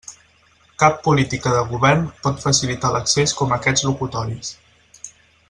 Cap política de govern pot facilitar l'accés com aquests locutoris.